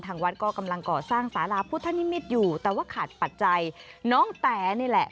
วัดก็กำลังก่อสร้างสาราพุทธนิมิตรอยู่แต่ว่าขาดปัจจัยน้องแต๋นี่แหละ